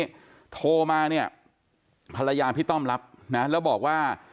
ว่าชื่อนี้โทรมาเนี่ยภรรยาพี่ต้อมรับนะแล้วบอกว่า